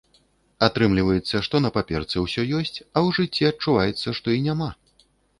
Атрымліваецца, што на паперцы ўсё ёсць, а ў жыцці адчуваецца, што і няма.